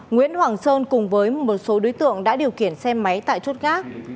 nguyễn hoàng sơn cùng với một số đối tượng đã điều khiển xe máy tại chốt gác